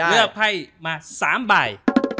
เลือกไพ่มา๓ใบ